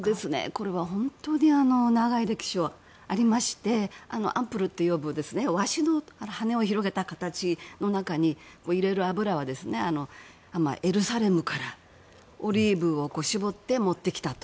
これは本当に長い歴史がありましてワシの羽を広げた形の中に入れる油はエルサレムからオリーブを絞って持ってきたと。